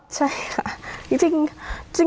อ๋อใช่ค่ะ